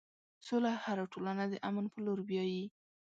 سوله هره ټولنه د امن په لور بیایي.